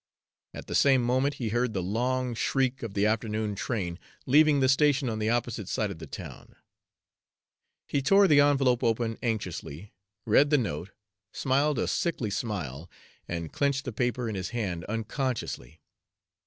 At the same moment he heard the long shriek of the afternoon train leaving the station on the opposite side of the town. He tore the envelope open anxiously, read the note, smiled a sickly smile, and clenched the paper in his hand unconsciously.